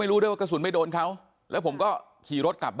อายุ๑๐ปีนะฮะเขาบอกว่าเขาก็เห็นถูกยิงนะครับ